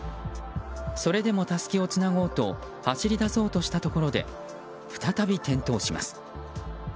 それでもたすきをつなごうと走り出そうとしたところで再び転倒します。